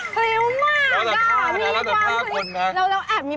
โปรดติดตามตอนต่อไป